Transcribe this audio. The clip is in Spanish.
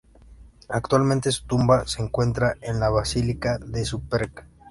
Actualmente, su tumba se encuentra en la Basílica de Superga.